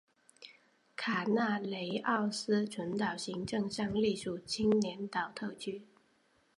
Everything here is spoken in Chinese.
卡纳雷奥斯群岛行政上隶属青年岛特区。